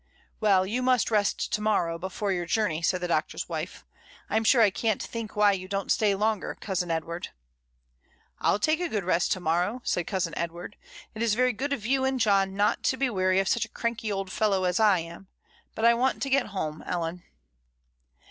"Well, you must rest to morrow, before your journey," said the Doctor's wife. "I'm sure I can't think why you don't stay longer, cousin Edward." "I'll take a good rest to morrow," said cousin Edward. "It is very good of you and John not to be weaiy of such a cranky old fellow as I am; but I want to get home, Ellen."